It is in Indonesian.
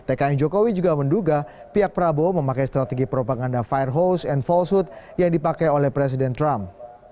tkn jokowi juga menduga pihak prabowo memakai strategi propaganda firehouse and falsehood yang dipakai oleh presiden trump